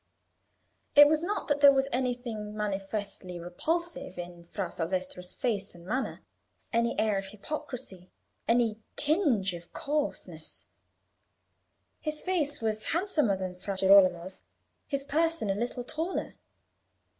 It was not that there was anything manifestly repulsive in Fra Salvestro's face and manner, any air of hypocrisy, any tinge of coarseness; his face was handsomer than Fra Girolamo's, his person a little taller.